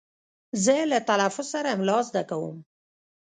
زه له تلفظ سره املا زده کوم.